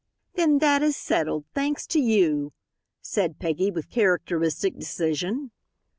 "Then that is settled, thanks to you," said Peggy with characteristic decision.